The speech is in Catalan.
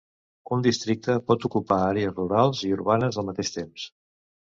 Un districte pot ocupar àrees rurals i urbanes al mateix temps.